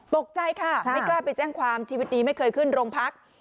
ตกใจค่ะไม่กล้าไปแจ้งความชีวิตดีไม่เคยขึ้นโรงพัก